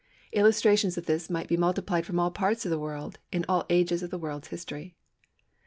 Illustrations of this might be multiplied from all parts of the world, in all ages of the world's history.